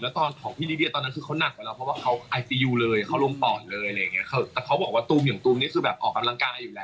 แล้วตอนของพี่ลิดี้ตอนนั้นคือเขานักกว่าเรา